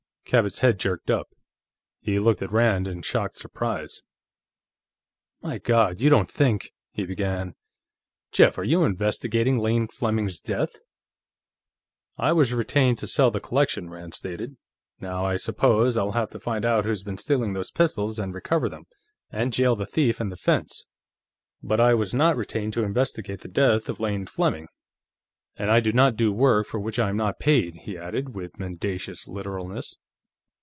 Cabot's head jerked up; he looked at Rand in shocked surprise. "My God, you don't think...?" he began. "Jeff, are you investigating Lane Fleming's death?" "I was retained to sell the collection," Rand stated. "Now, I suppose, I'll have to find out who's been stealing those pistols, and recover them, and jail the thief and the fence. But I was not retained to investigate the death of Lane Fleming. And I do not do work for which I am not paid," he added, with mendacious literalness.